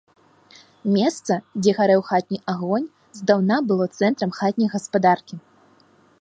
Месца, дзе гарэў хатні агонь, здаўна было цэнтрам хатняй гаспадаркі.